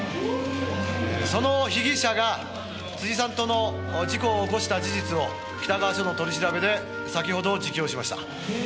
「その被疑者が辻さんとの事故を起こした事実を北川署の取り調べで先ほど自供しました」